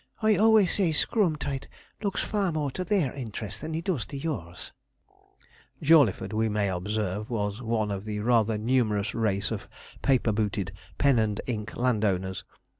I always say Screwemtight looks far more to their interest than he does to yours.' Jawleyford, we may observe, was one of the rather numerous race of paper booted, pen and ink landowners.